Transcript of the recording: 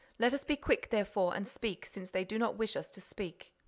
Let us be quick, therefore, and speak, since they do not wish us to speak."